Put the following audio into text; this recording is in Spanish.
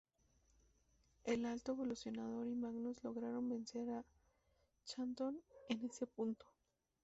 El Alto Evolucionador y Magnus lograron vencer a Chthon en este punto.